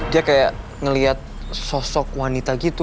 dia kayak ngeliat sosok wanita gitu